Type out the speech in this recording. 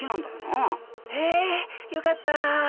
へえよかった。